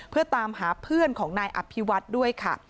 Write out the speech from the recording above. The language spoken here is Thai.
เพื่อตามหาเพื่อนของนายอภิวัฒน์ด้วยค่ะ